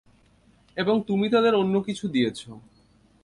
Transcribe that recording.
এবং তুমি তাদের অন্য কিছু দিয়েছ।